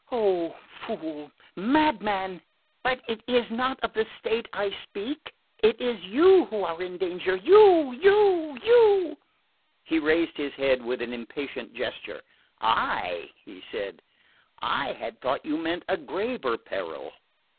"Oh, fool, madman but it is not of the state I speak! It is you who are in danger you you you " He raised his head with an impatient gesture. "I?" he said. "I had thought you meant a graver peril."